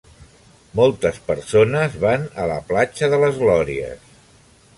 Moltes persones van a la platja de Las Glorias.